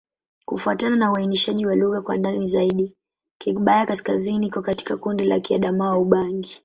Kufuatana na uainishaji wa lugha kwa ndani zaidi, Kigbaya-Kaskazini iko katika kundi la Kiadamawa-Ubangi.